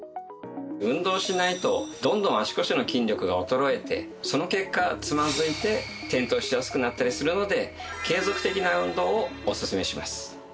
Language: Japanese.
運動しないとどんどん足腰の筋力が衰えてその結果つまずいて転倒しやすくなったりするので継続的な運動をオススメします。